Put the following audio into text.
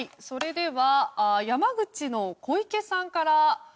それでは山口の小池さんから。